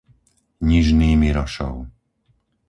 Nižný Mirošov